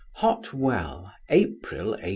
HOT WELL, April 18.